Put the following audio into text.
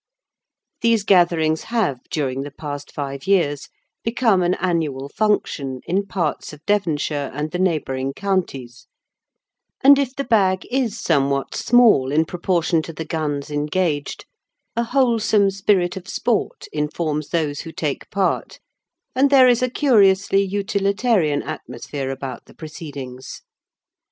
These gatherings have, during the past five years, become an annual function in parts of Devonshire and the neighbouring counties, and if the bag is somewhat small in proportion to the guns engaged, a wholesome spirit of sport informs those who take part, and there is a curiously utilitarian atmosphere about the proceedings.